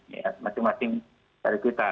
ya masing masing dari kita